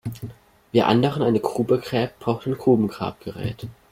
Wer anderen eine Grube gräbt, braucht ein Grubengrabgerät.